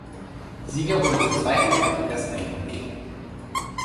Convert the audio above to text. Sieger wurde zum zweiten Mal Kickers Emden.